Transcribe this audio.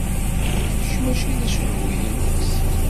Kečč mačči d acengu-ines.